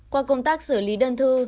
qua công tác xử lý đơn thư